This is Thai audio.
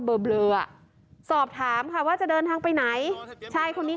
เบอร์บเลอร์อ่ะสอบถามค่ะว่าจะเดินทางไปไหนใช่คนนี้